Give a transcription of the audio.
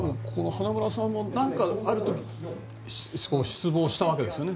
花村さんもある時失望したわけですよね。